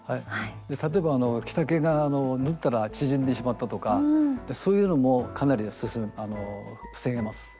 例えば着丈が縫ったら縮んでしまったとかそういうのもかなり防げます。